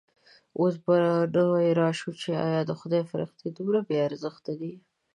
اوس به نو راشو چې ایا د خدای فرښتې دومره بې ارزښته دي.